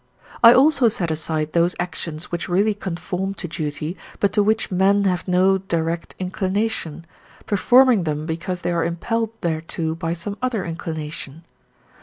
I also set aside those actions which really conform to duty, but to which men have no direct inclination, performing them because they are impelled thereto by some other inclination.